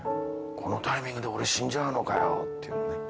このタイミングで俺、死んじゃうのかよっていうね。